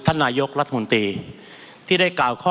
มันมีมาต่อเนื่องมีเหตุการณ์ที่ไม่เคยเกิดขึ้น